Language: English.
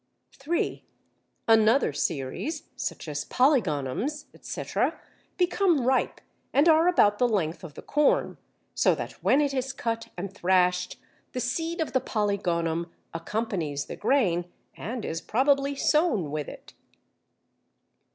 (3) Another series, such as Polygonums, etc., become ripe and are about the length of the corn, so that when it is cut and thrashed the seed of the Polygonum accompanies the grain and is probably sown with it.